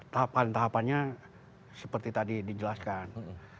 tahapan tahapannya seperti tadi dijelaskan